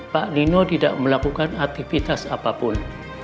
saya akan melakukan aktivitas apapun